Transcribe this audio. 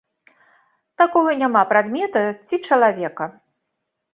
Такога няма прадмета ці чалавека.